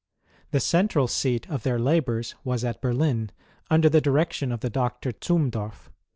Tlie central seat of their labours was at Berlin, under the direction of the Doctor Zumdorf.